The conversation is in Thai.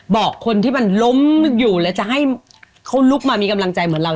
บอกคนที่มันล้มอยู่แล้วจะให้เขาลุกมามีกำลังใจเหมือนเรา